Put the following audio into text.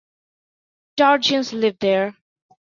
Dargins live there.